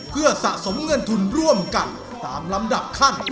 เพื่อสะสมเงินทุนร่วมกันตามลำดับขั้น